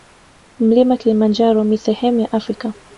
Mlima kilimanjaro mi sehemu ya afrika